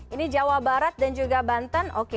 ini jawa barat dan juga banten oke